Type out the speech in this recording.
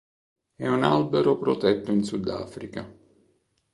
È un albero protetto in Sud Africa.